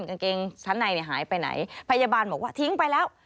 กางเกงชั้นในหายไปไหนพยาบาลบอกว่าทิ้งไปแล้ว